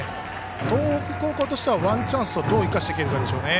東北高校としてはワンチャンスをどう生かせるかでしょうね。